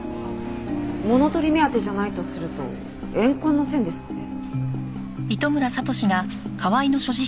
物盗り目当てじゃないとすると怨恨の線ですかね。